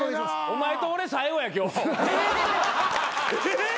お前と俺最後や今日。